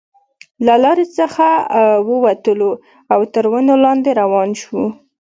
له لارې څخه وو وتلو او تر ونو لاندې روان شوو.